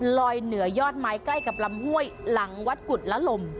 ลอยเหนือยอดไม้ใกล้กับลำห้วยหลังวัดกุฎละลม